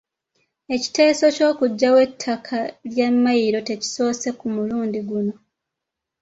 Ekiteeso ky’okuggyawo ettaka lya mmayiro tekisoose ku mulundi guno.